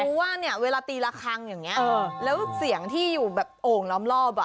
ว่าเนี่ยเวลาตีละครั้งอย่างนี้แล้วเสียงที่อยู่แบบโอ่งล้อมรอบอ่ะ